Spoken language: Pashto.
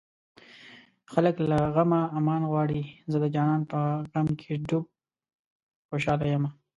خلک له غمه امان غواړي زه د جانان په غم کې ډوب خوشاله يمه